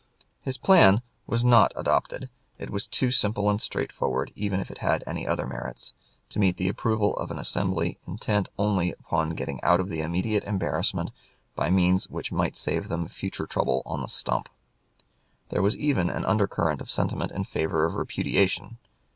His plan was not adopted; it was too simple and straightforward, even if it had any other merits, to meet the approval of an assembly intent only upon getting out of immediate embarrassment by means which might save them future trouble on the stump. There was even an undercurrent of sentiment in favor of repudiation.